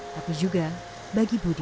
tapi juga bagi budi